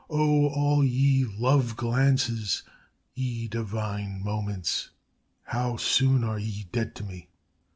O all ye love glances, ye divine moments! How soon are ye dead to me!